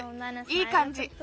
いいかんじ。